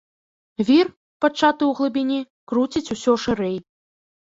Вір, пачаты ў глыбіні, круціць усё шырэй.